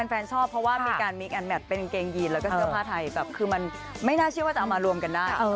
แฟนชอบเพราะว่ามีการมิกแอนแมทเป็นกางเกงยีนแล้วก็เสื้อผ้าไทยแบบคือมันไม่น่าเชื่อว่าจะเอามารวมกันได้